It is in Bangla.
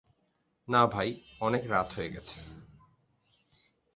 না ভাই, অনেক রাত হয়ে গেছে।